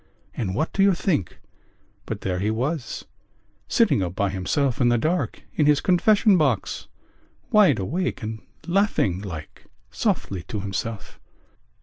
And what do you think but there he was, sitting up by himself in the dark in his confession box, wide awake and laughing like softly to himself?"